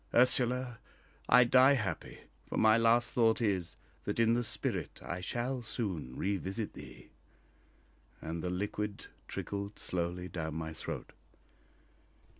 Ursula, I die happy, for my last thought is, that in the spirit I shall soon revisit thee," and the liquid trickled slowly down my throat.